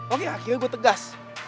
oke akhirnya gue tegas